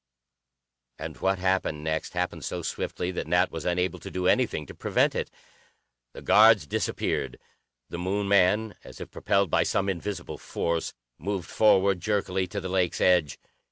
And what happened next happened so swiftly that Nat was unable to do anything to prevent it. The guards disappeared; the Moon man, as if propelled by some invisible force, moved forward jerkily to the lake's edge.